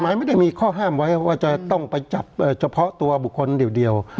ไม่ได้มีข้อห้ามไว้ว่าจะต้องไปจับเฉพาะตัวบุคคลเดียว